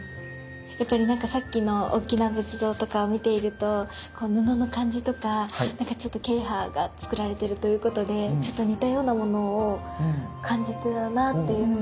やっぱりなんかさっきの大きな仏像とかを見ていると布の感じとか慶派がつくられてるということでちょっと似たようなものを感じたなというふうに思います。